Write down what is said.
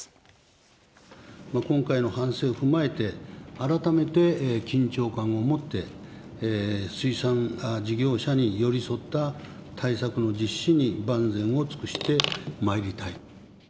今回の反省を踏まえて、改めて緊張感を持って、水産事業者に寄り添った対策の実施に万全を尽くしてまいりたい。